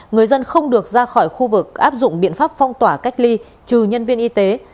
người dân không được ra khỏi khu vực áp dụng biện pháp phong tỏa cách ly trừ nhân viên y tế